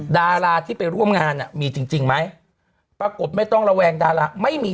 ดาราที่ไปร่วมงานอ่ะมีจริงจริงไหมปรากฏไม่ต้องระแวงดาราไม่มี